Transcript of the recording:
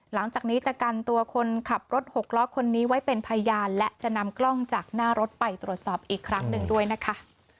หลังจากนี้จะกันตัวคนขับรถหกล้อคนนี้ไว้เป็นพยานและจะนำกล้องจากหน้ารถไปตรวจสอบอีกครั้งหนึ่งด้วยนะคะ